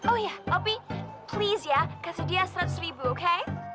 oh iya tapi chris ya kasih dia seratus ribu oke